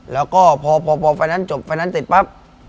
แล้วก็พอไฟล์นั้นจบไฟล์นั้นติดปั๊บ